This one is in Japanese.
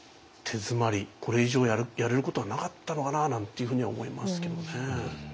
これ以上やれることはなかったのかなあなんていうふうには思いますけどね。